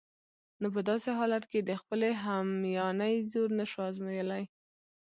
نو په داسې حالت کې د خپلې همیانۍ زور نشو آزمایلای.